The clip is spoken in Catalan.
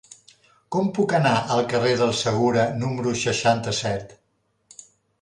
Com puc anar al carrer del Segura número seixanta-set?